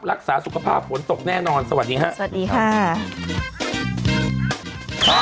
รักษาสุขภาพผลตกแน่นอนสวัสดีค่ะ